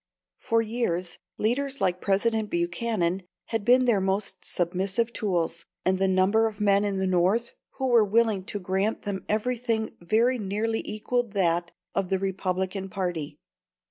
For years, leaders like President Buchanan had been their most submissive tools; and the number of men in the North who were willing to grant them everything very nearly equalled that of the Republican party.